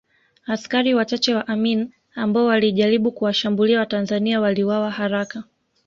Askari wachache wa Amin ambao walijaribu kuwashambulia Watanzania waliuawa haraka